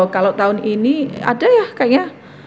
kalau tahun ini ada ya kayaknya